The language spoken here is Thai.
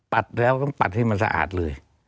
แล้วต้องปัดให้มันสะอาดเลย